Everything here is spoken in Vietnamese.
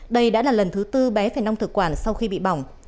đây đã là lần thứ tư bé phải nong thực quản sau khi bị bỏng